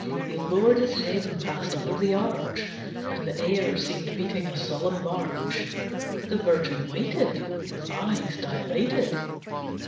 He lowered his head and passed under the arch, And the air seemed beating a solemn march. The Virgin waited With eyes dilated.